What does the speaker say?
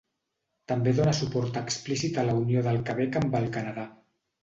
També dóna suport explícit a la unió del Quebec amb el Canadà.